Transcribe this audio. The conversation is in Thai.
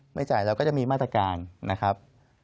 ไม่จ่ายเราก็จะมีมาตรการนะครับ